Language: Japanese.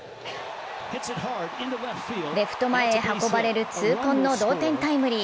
レフト前へ運ばれる痛恨の同点タイムリー。